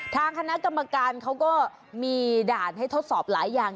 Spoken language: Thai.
ทางคณะกรรมการเขาก็มีด่านให้ทดสอบหลายอย่าง